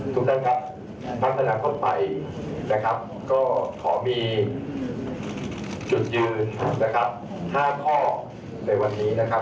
ทุกท่านครับพักอนาคตใหม่นะครับก็ขอมีจุดยืนนะครับ๕ข้อในวันนี้นะครับ